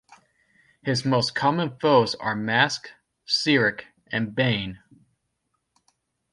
His most common foes are Mask, Cyric and Bane.